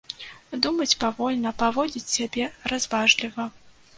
Думаць павольна, паводзіць сябе разважліва.